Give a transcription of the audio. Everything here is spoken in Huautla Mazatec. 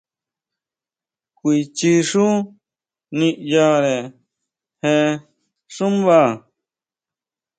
Kuichi xú niyare je xúmba?